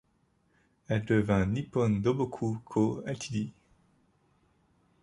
Elle devint Nippon Doboku Co., Ltd.